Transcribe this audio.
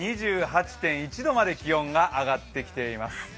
２８．１度まで気温が上ってきています。